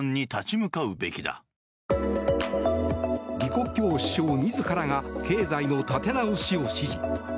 李克強首相自らが経済の立て直しを指示。